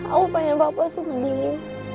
aku pengen papa sendiri